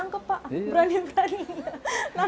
ditangkep pak berani berani nangkep